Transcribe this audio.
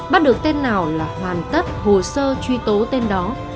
bắt được tên nào là hoàn tất hồ sơ truy tố tên đó